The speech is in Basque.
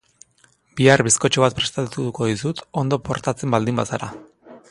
Bihar bizkotxo bat prestatuko dizut ondo portatzen baldin bazara.